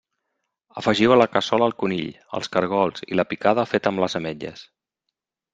Afegiu a la cassola el conill, els caragols i la picada feta amb les ametlles.